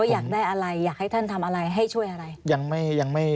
ว่าอยากได้อะไรอยากให้ท่านทำอะไรให้ช่วยอะไร